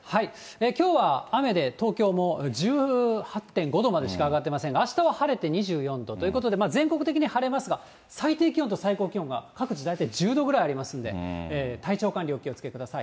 きょうは雨で東京も１８．５度までしか上がってませんが、あしたは晴れて２４度ということで、全国的に晴れますが、最低気温と最高気温が各地大体１０度ぐらいありますんで、体調管理お気をつけください。